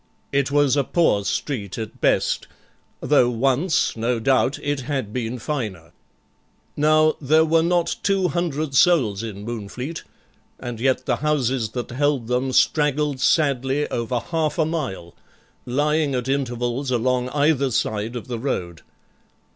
It was a poor street at best, though once, no doubt, it had been finer. Now, there were not two hundred souls in Moonfleet, and yet the houses that held them straggled sadly over half a mile, lying at intervals along either side of the road.